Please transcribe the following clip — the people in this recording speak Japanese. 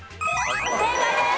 正解です！